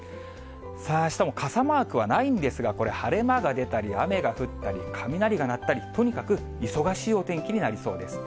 さあ、あしたも傘マークはないんですが、これ、晴れ間が出たり雨が降ったり、雷が鳴ったり、とにかく忙しいお天気になりそうです。